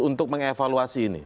untuk mengevaluasi ini